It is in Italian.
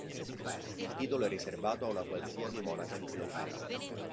Il titolo è riservato a una qualsiasi monaca di clausura.